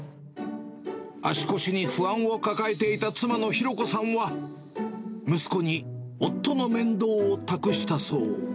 足腰に不安を抱えていた妻の弘子さんは、息子に夫の面倒を託したそう。